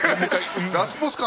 ラスボス感